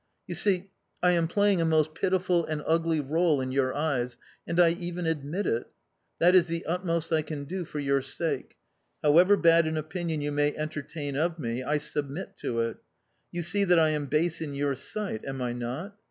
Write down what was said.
You see, I am playing a most pitiful and ugly role in your eyes, and I even admit it that is the utmost I can do for your sake. However bad an opinion you may entertain of me, I submit to it... You see that I am base in your sight, am I not?...